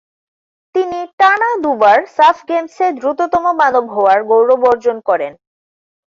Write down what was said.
তিনি টানা দু'বার সাফ গেমসে দ্রুততম মানব হওয়ার গৌরব অর্জন করেন।